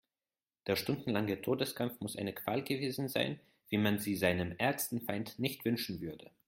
Der stundenlange Todeskampf muss eine Qual gewesen sein, wie man sie seinem ärgsten Feind nicht wünschen würde.